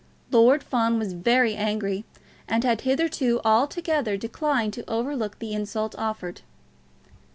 Lord Fawn was very angry, and had hitherto altogether declined to overlook the insult offered.